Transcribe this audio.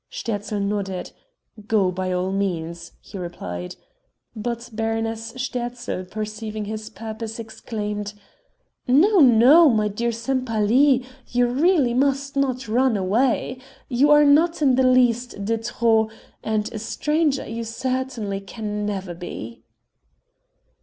Sterzl nodded: "Go by all means," he replied. But Baroness Sterzl perceiving his purpose exclaimed: "No, no, my dear Sempaly, you really must not run away you are not in the least de trop and a stranger you certainly can never be."